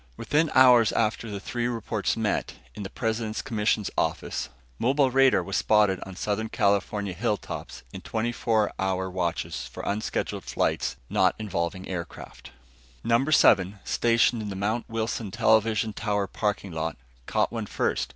Within hours after the three reports met, in the President's commission's office, mobile radar was spotted on Southern California hilltops in twenty four hour watches for unscheduled flights not involving aircraft. Number Seven, stationed in the Mount Wilson television tower parking lot, caught one first.